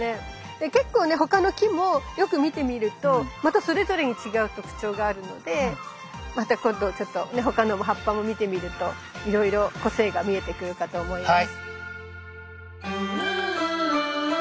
結構ね他の木もよく見てみるとまたそれぞれに違う特徴があるのでまた今度他の葉っぱも見てみるといろいろ個性が見えてくるかと思います。